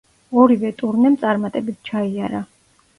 ორივე ტურნემ წარმატებით ჩაიარა.